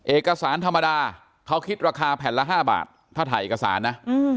เอกสารธรรมดาเขาคิดราคาแผ่นละ๕บาทถ้าถ่ายเอกสารนะ